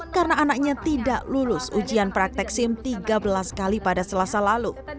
karena anaknya tidak lulus ujian praktek sim tiga belas kali pada selasa lalu